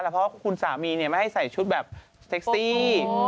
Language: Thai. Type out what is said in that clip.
เพราะคุณสามีไม่ให้ใส่ชุดแบบเซ็กซี่